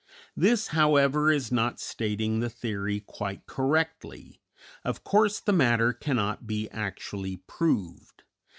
This, however, is not stating the theory quite correctly; of course the matter cannot be actually proved.